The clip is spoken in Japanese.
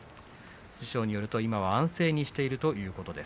師匠によると今は安静にしているということです。